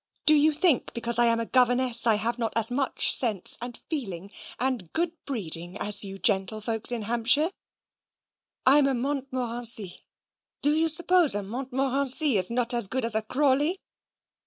Do you think, because I am a governess, I have not as much sense, and feeling, and good breeding as you gentlefolks in Hampshire? I'm a Montmorency. Do you suppose a Montmorency is not as good as a Crawley?"